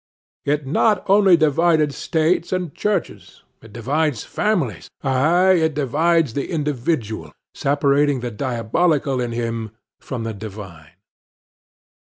It not only divided states and churches, it divides families; aye, it divides the individual, separating the diabolical in him from the divine.